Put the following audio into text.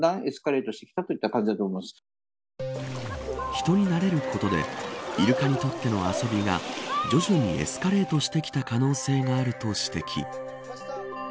人に慣れることでイルカにとっての遊びが徐々にエスカレートしてきた可能性があると指摘。